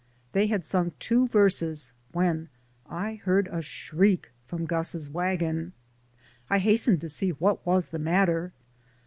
They had sung two verses when I heard a shriek from Gus's wagon. I has tened to see what was the matter.